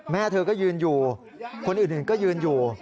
แม่เธอก็ยืนอยู่คนอื่นก็ยืนอยู่